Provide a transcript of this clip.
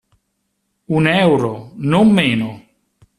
Un euro, non meno!